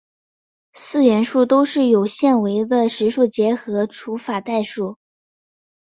四元数都只是有限维的实数结合除法代数。